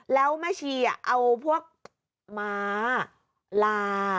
แล้วแม่ชีเอาพวกม้าลา